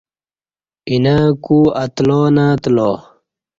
اینہ کو اتلا نہ اتلا۔